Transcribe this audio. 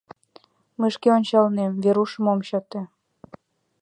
Мый шке ончылнем Варушым ом чыте...